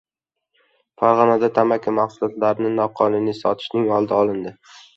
Farg‘onada tamaki mahsulotlarini noqonuniy sotishning oldi olindi